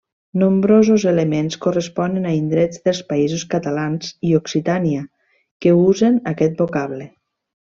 Nombrosos elements corresponen a indrets dels Països Catalans i Occitània que usen aquest vocable.